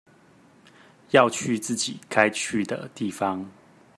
要去自己該去的地方